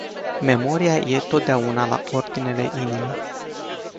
Memoria e totdeauna la ordinele inimii.